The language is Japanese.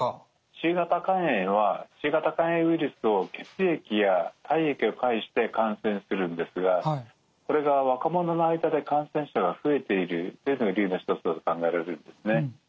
Ｃ型肝炎はＣ型肝炎ウイルスを血液や体液を介して感染するんですがそれが若者の間で感染者が増えているっていうのが理由の一つだと考えられるんですね。